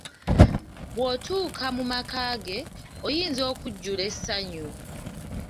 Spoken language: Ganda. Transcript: Bw’otuuka mu maka ge, oyinza okujjula essanyu.